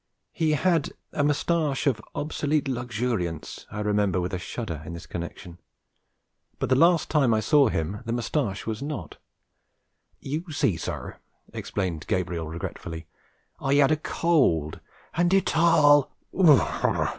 He had a moustache of obsolete luxuriance, I remember with a shudder in this connection; but the last time I saw him the moustache was not. 'You see, sir,' explained Gabriel, regretfully, 'I had a cold, an' it arl